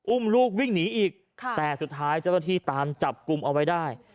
อุ้มลูกวิ่งหนีอีกแต่สุดท้ายเจ้าหน้าที่ตามจับกลุ่มเอาไว้ได้